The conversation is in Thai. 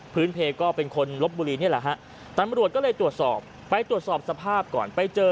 เพลก็เป็นคนลบบุรีนี่แหละฮะตำรวจก็เลยตรวจสอบไปตรวจสอบสภาพก่อนไปเจอ